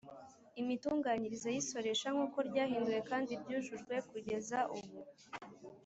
Imitunganyirize y isoresha nk uko ryahinduwe kandi ryujujwe kugeza ubu